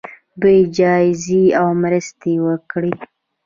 دوی جایزې او مرستې ورکوي.